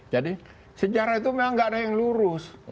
jadi sejarah itu memang tidak ada yang lurus